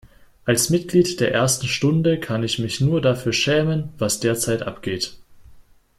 Als Mitglied der ersten Stunde kann ich mich nur dafür schämen, was derzeit abgeht.